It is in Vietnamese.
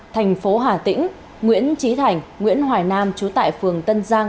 thành phố hà tĩnh nguyễn trí thành nguyễn hoài nam chú tại phường tân giang